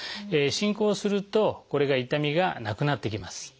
進行するとこれが痛みがなくなってきます。